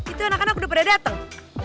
itu anak anak udah pada datang